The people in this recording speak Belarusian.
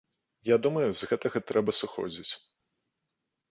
Я думаю, з гэтага трэба сыходзіць.